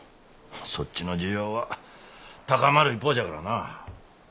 そっちの需要は高まる一方じゃからな。